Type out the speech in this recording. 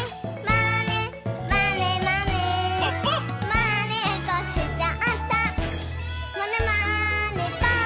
「まねっこしちゃったまねまねぽん！」